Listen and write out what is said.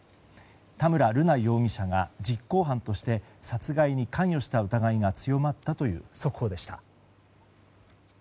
田村瑠奈容疑者が実行犯として殺害に関与した疑いが強まったという速報でした。